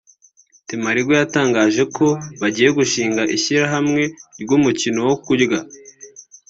Temarigwe yatangaje ko bagiye gushinga Ishyirahamwe ry’Umukino wo Kurya